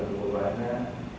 terus menyebutnya juga